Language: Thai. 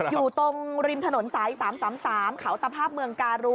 อยู่ตรงริมถนนสาย๓๓๓